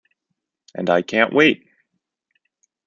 And I can't wait!